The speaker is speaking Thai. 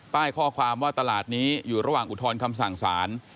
ข้อความว่าตลาดนี้อยู่ระหว่างอุทธรณ์คำสั่งสาร